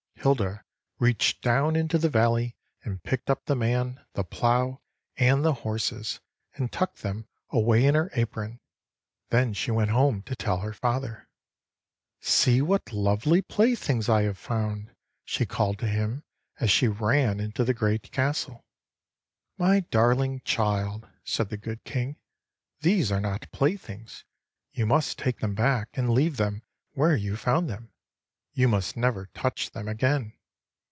Hilda reached down into the valley and picked up the man, the plow, and the horses, and tucked them away in her apron. Then she went home to tell her father. "See what lovely playthings I have found!" she called to him, as she ran into the great castle. "My darling child," said the good King, "these are not playthings. You must take them back and leave them where you found them. You must never touch them again.